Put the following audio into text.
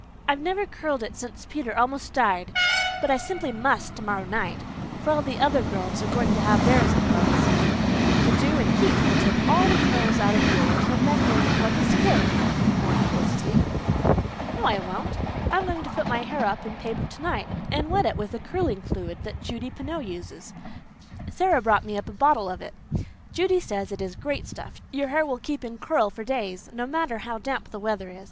I've never curled it since Peter almost died, but I simply must tomorrow night, for all the other girls are going to have theirs in curls." "The dew and heat will take all the curl out of yours and then you'll look like a scarecrow," warned Felicity. "No, I won't. I'm going to put my hair up in paper tonight and wet it with a curling fluid that Judy Pineau uses. Sara brought me up a bottle of it. Judy says it is great stuff your hair will keep in curl for days, no matter how damp the weather is.